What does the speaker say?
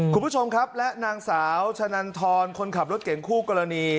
คุณผู้ชมครับและนางสาวชะนันทรคนขับรถเก่งคู่กรณี